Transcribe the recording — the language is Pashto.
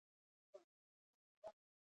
د تقلید وړ نه دي.